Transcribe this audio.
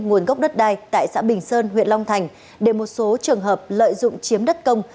nguồn gốc đất đai tại xã bình sơn huyện long thành để một số trường hợp lợi dụng chiếm đất công